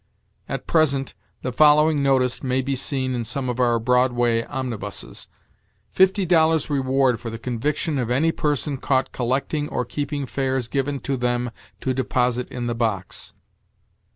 At present, the following notice may be seen in some of our Broadway omnibuses: "Fifty dollars reward for the conviction of any person caught collecting or keeping fares given to them to deposit in the box."